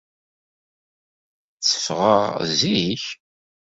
Tteffɣeɣ zik.